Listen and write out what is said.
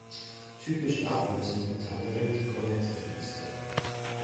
Typisch dafür sind unter anderem die Kornett-Register.